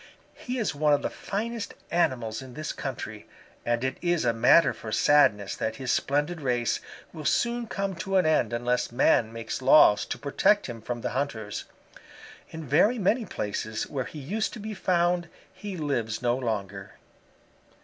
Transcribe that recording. He is one of the finest animals in this country, and it is a matter for sadness that his splendid race will soon come to an end unless man makes laws to protect him from the hunters. In very many places where he used to be found he lives no longer.